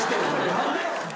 何で？